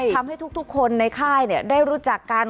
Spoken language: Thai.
ทำให้ทุกคนในค่ายได้รู้จักกัน